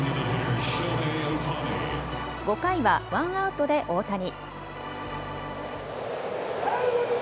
５回はワンアウトで大谷。